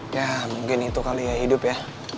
ya mungkin itu kali ya hidup ya